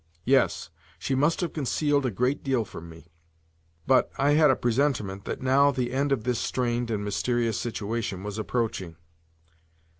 Yes, she must have concealed a great deal from me. But, I had a presentiment that now the end of this strained and mysterious situation was approaching.